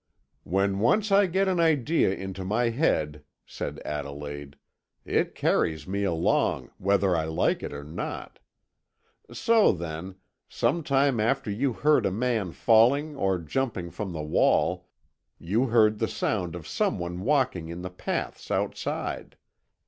"When once I get an idea into my head," said Adelaide, "it carries me along, whether I like it or not. So, then some time after you heard a man falling or jumping from the wall, you heard the sound of someone walking in the paths outside.